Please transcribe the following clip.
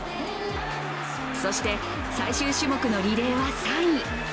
そして、最終種目のリレーは３位。